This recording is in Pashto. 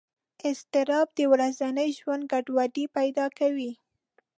اضطراب د ورځني ژوند ګډوډۍ پیدا کوي.